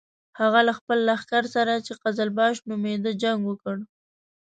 هغه له خپل لښکر سره چې قزلباش نومېده جنګ وکړ.